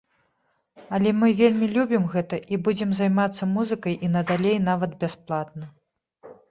Але мы вельмі любім гэта і будзем займацца музыкай і надалей нават бясплатна.